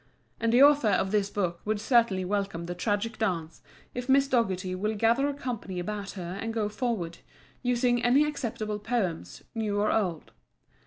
And the author of this book would certainly welcome the tragic dance, if Miss Dougherty will gather a company about her and go forward, using any acceptable poems, new or old.